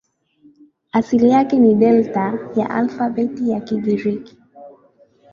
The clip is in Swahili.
Asili yake ni Delta ya alfabeti ya Kigiriki.